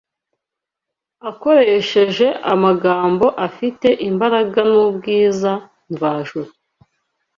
akoresheje amagambo afite imbaraga n’ubwiza mvajuru